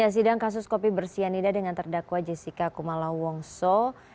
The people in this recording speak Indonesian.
sidang kasus kopi bersianida dengan terdakwa jessica kumala wongso